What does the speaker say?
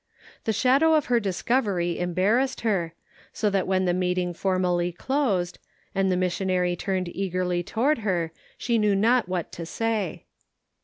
The shadow of her discovery embarrassed her, so that when the meeting for mally closed, and the missionary turned eagerly toward her, she knew not what to say.